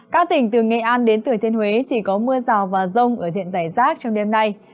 các tỉnh từ nghệ an đến thừa thiên huế chỉ có mưa rào và rông ở diện giải rác trong đêm nay